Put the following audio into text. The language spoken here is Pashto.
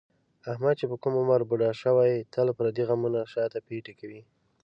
احمد چې په کوم عمر بوډا شوی، تل پردي غمونه شاته پېټی کوي.